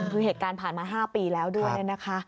คือเหตุการณ์ผ่านมา๕ปีแล้วด้วยนะคะ